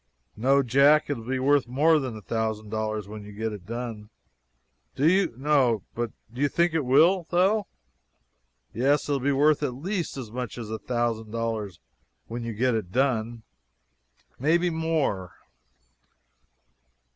"No, Jack; it will be worth more than a thousand dollars when you get it done." "Do you? no, but do you think it will, though? "Yes, it will be worth at least as much as a thousand dollars when you get it done. May be more."